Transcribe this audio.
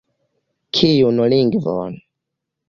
Kiun lingvon?